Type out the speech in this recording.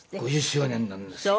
５０周年なんですよ。